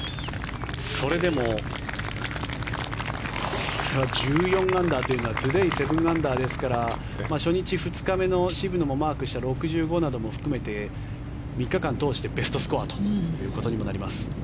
それでも１４アンダーというのはトゥデー７アンダーですから初日、２日目の渋野もマークした６５なども含めて３日間通してベストスコアということにもなります。